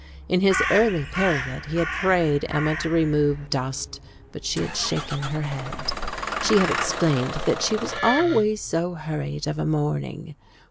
In his early period he had prayed Emma to remove dust, but she had shaken her head. She had explained that she was always so hurried of a morning.